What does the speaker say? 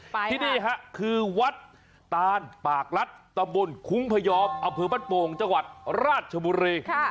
ที่นี่ฮะคือวัดตานปากรัฐตำบลคุ้งพยอมอำเภอบ้านโป่งจังหวัดราชบุรี